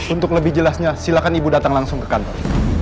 untuk lebih jelasnya silakan ibu datang langsung ke kantor